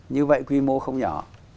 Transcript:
như vậy quy mô không nhỏ